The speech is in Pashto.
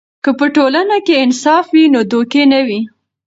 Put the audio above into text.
که په ټولنه کې انصاف وي، نو دوکې نه وي.